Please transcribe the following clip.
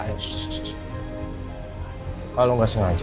tapi saya kan gak sengaja